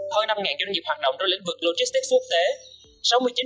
hơn năm doanh nghiệp hoạt động trong lĩnh vực logistics quốc tế